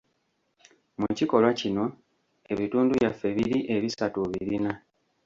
Mu kikolwa kino ebitundu byaffe biri ebisatu obirina.